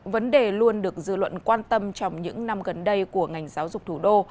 vấn đề luôn được dư luận quan tâm trong những năm gần đây của ngành giáo dục thủ đô